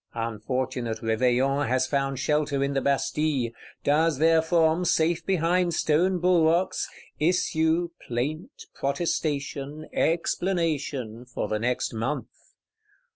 Unfortunate Réveillon has found shelter in the Bastille; does therefrom, safe behind stone bulwarks, issue, plaint, protestation, explanation, for the next month.